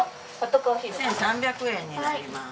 １３００円になります。